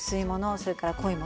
それから濃いもの